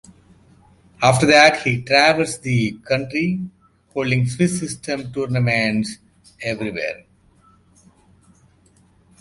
After that, he traversed the country, holding Swiss system tournaments everywhere.